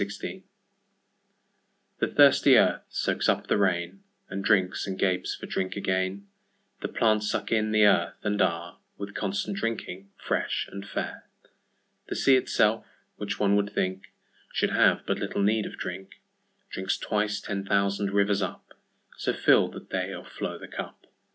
Drinking THE THIRSTY earth soaks up the rain, And drinks and gapes for drink again; The plants suck in the earth, and areWith constant drinking fresh and fair; The sea itself (which one would thinkShould have but little need of drink)Drinks twice ten thousand rivers up, So fill'd that they o'erflow the cup.